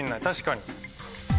確かに。